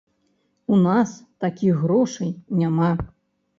У нас такіх грошай няма.